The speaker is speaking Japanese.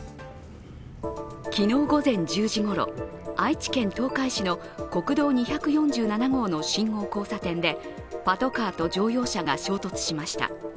昨日午前１０時ごろ、愛知県東海市の国道２４７号の信号交差点でパトカーと乗用車が衝突しました。